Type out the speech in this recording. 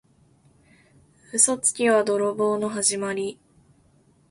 嘘つきは泥棒のはじまり。